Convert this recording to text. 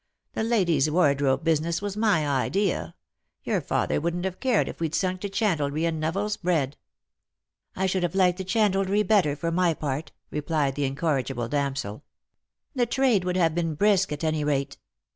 The ladies' wardrobe business was my idea. Your father wouldn't have cared if we'd sunk to chandlery and Neville's bread." 78 Lost for Love. " I should have liked the chandlery better, for my part," re plied the incorrigible damsel. "The trade would have been brisk, at any rate.